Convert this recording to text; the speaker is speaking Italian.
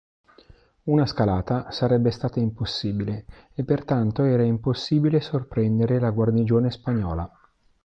Una scalata sarebbe stata impossibile e pertanto era impossibile sorprendere la guarnigione spagnola.